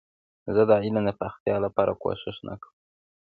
زه د علم د پراختیا لپاره کوښښ نه کوم.